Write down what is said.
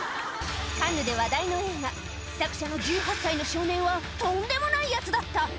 カンヌで話題の映画、作者の１８歳の少年はとんでもないやつだった。